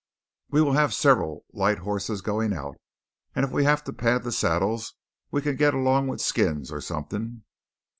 "We will have several light hosses going out; and if we have to pad the saddles we can git along with skins or something."